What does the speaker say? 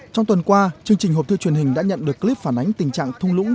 trong tuần qua chương trình hộp thư truyền hình đã nhận được clip phản ánh tình trạng thung lũng